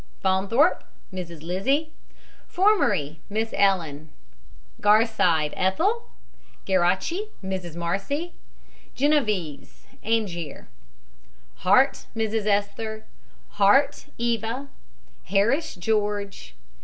FAUNTHORPE, MRS. LIZZIE FORMERY, MISS ELLEN. GARSIDE, ETHEL. GERRECAI, MRS. MARCY. GENOVESE, ANGERE. HART, MRS. ESTHER. HART, EVA. HARRIS, GEORGE.